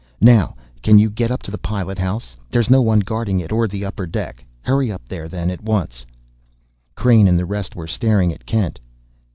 Now, can you get up to the pilot house? There's no one guarding it or the upper deck? Hurry up there, then, at once." Crain and the rest were staring at Kent.